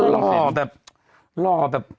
หล่อแบบหล่อแบบ